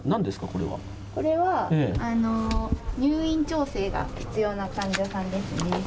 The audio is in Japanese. これは入院調整が必要な患者さんですね。